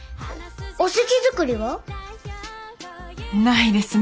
おせち作りは？ないですね。